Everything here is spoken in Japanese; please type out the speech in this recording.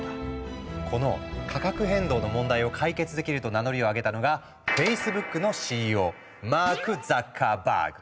この価格変動の問題を解決できると名乗りを上げたのがフェイスブックのＣＥＯマーク・ザッカーバーグ。